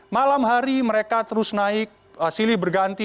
malam hari mereka terus naik silih berganti